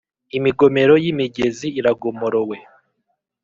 Imigomero y’imigezi iragomorowe